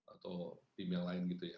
atau tim yang lain gitu ya